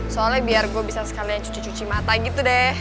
soalnya biar gue bisa sekalian cuci cuci mata gitu deh